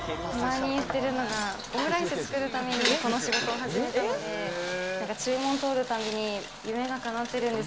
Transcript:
オムライス作るためにこの仕事を始めたので注文通るたびに、夢が叶ってるです。